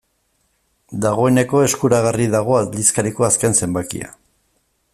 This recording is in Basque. Dagoeneko eskuragarri dago aldizkariko azken zenbakia.